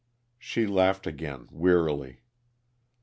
She laughed again wearily.